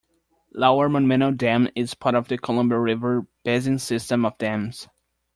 Lower Monumental Dam is part of the Columbia River Basin system of dams.